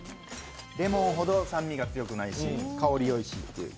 レモンほど酸味が強くないし、香りがいいしという。